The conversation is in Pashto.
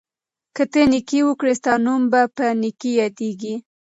که ته نېکي وکړې، ستا نوم به په نېکۍ یادیږي.